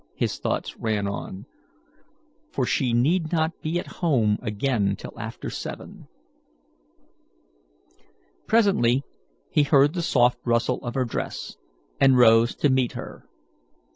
his thoughts ran on, "for she need not be at home again till after seven." Presently he heard the soft rustle of her dress, and rose to meet her.